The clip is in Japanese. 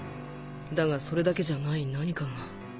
だがそれだけじゃない何かが